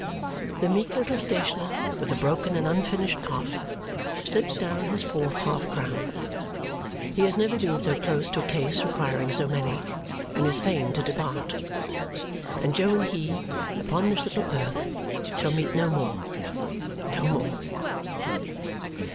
The meek little stationer, with a broken and unfinished cough, slips down his fourth half crown he has never been so close to a case requiring so many and is fain to depart. And Jo and he, upon this little earth, shall meet no more. No more.